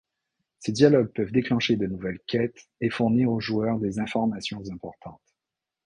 Ces dialogues peuvent déclencher de nouvelles quêtes et fournir au joueur des informations importantes.